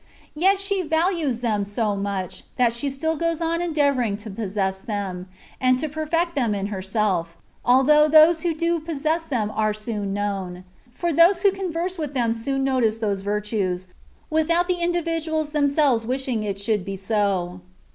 Yet she values them so much, that she still goes on endeavouring to possess them, and to perfect them in herself, although those who do possess them are soon known ; for those who con verse with them soon notice those virtues, without the individuals themselves wishing it should be so.